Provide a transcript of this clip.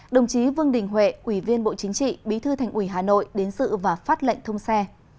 đồng chí vương đình huệ ủy viên bộ chính trị bí thư thành ủy hà nội đến sự và phát lệnh thông xe